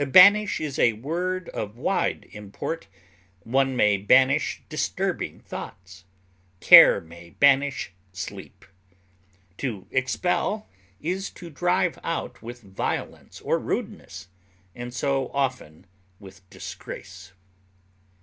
Banish is a word of wide import; one may banish disturbing thoughts; care may banish sleep. To expel is to drive out with violence or rudeness, and so often with disgrace.